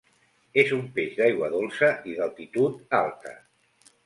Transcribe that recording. És un peix d'aigua dolça i d'altitud alta.